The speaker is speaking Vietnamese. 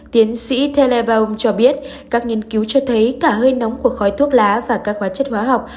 tiến sĩ tây lê ba bùng cho biết các nghiên cứu cho thấy cả hơi nóng của khói thuốc lá và các hóa chất hóa học